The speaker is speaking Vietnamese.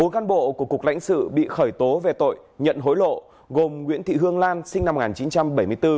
bốn cán bộ của cục lãnh sự bị khởi tố về tội nhận hối lộ gồm nguyễn thị hương lan sinh năm một nghìn chín trăm bảy mươi bốn